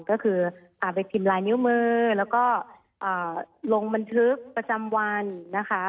ก็คือพาไปพิมพ์ลายนิ้วมือแล้วก็ลงบันทึกประจำวันนะคะ